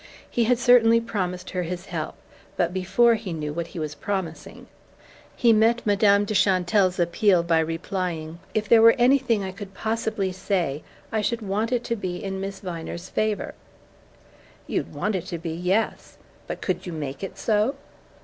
He had certainly promised her his help but before he knew what he was promising. He met Madame de Chantelle's appeal by replying: "If there were anything I could possibly say I should want it to be in Miss Viner's favour." "You'd want it to be yes! But could you make it so?"